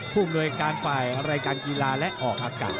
ผู้อำนวยการฝ่ายรายการกีฬาและออกอากาศ